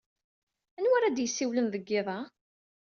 Anwa ara d-yessiwlen deg yiḍ-a?